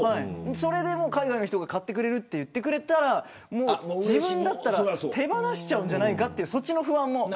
それで海外の人が買ってくれると言ったら自分だったら手放しちゃうんじゃないかというそっちの不安も。